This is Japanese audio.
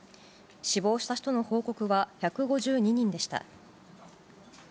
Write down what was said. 死亡した人の報告は１５２人でした。